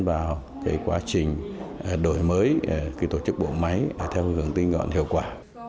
vào quá trình đổi mới tổ chức bộ máy theo hướng tinh gọn hiệu quả